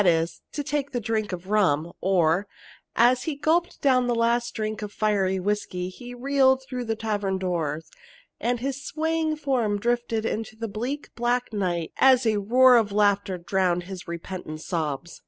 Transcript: e._, to take a drink of rum; or, "as he gulped down the last drink of fiery whiskey, he reeled through the tavern door, and his swaying form drifted into the bleak, black night, as a roar of laughter drowned his repentant sobs."